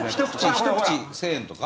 一口１０００円とか？